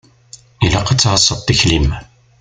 Ilaq ad tɛasseḍ tikli-m.